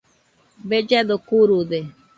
Bellado kurude